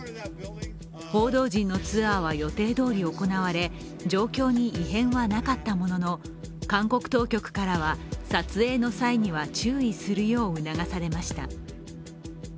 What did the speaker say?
報道陣のツアーは予定どおり行われ、状況に異変はなかったものの、韓国当局からは撮影の際には注意するよう促されました。